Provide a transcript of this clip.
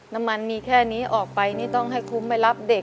น้ำมันมีแค่นี้ออกไปนี่ต้องให้คุ้มไปรับเด็ก